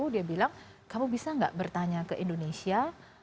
dia bilang kamu bisa nggak bertanya ke indonesia